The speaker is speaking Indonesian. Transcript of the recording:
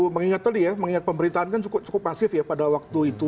mengingat tadi ya mengingat pemerintahan kan cukup masif ya pada waktu itu